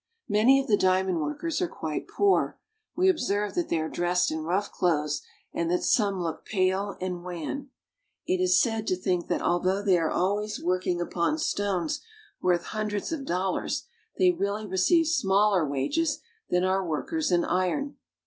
Many of the diamond workers are quite poor. We observe that they are dressed in rough clothes, and that some look pale and wan. It is sad to think that, although they are always working upon stones worth hundreds of dollars, they really receive smaller wages than our workers in iron.